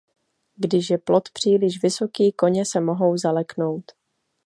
Když je plot příliš vysoký, koně se mohou zaleknout.